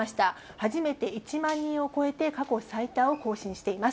初めて１万人を超えて、過去最多を更新しています。